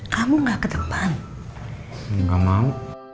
kamu nggak ke depan nggak mau